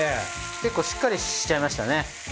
結構しっかりしちゃいましたね。